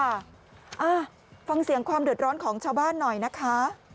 อ่าฟังเสียงความเดือดร้อนของชาวบ้านหน่อยนะคะ